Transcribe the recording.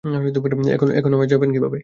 এখন বাসায় যাবেন কীভাবে?